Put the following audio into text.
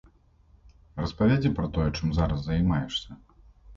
Распавядзі пра тое, чым зараз займаешся.